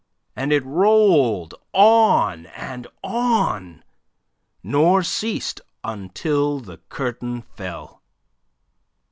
And it rolled on and on, nor ceased until the curtain fell.